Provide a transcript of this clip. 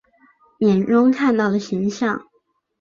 眼中看到的形象